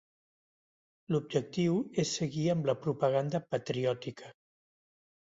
L’objectiu és seguir amb la propaganda patriòtica.